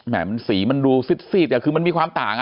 สีมันดูซิดคือมันมีความต่าง